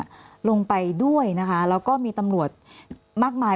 รองผู้บัญชการตำรวจลงไปด้วยนะคะแล้วก็มีตำรวจมากมาย